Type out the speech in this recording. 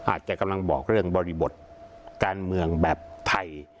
อาจจะกำลังบอกเรื่องบริบทการเมืองแบบไทย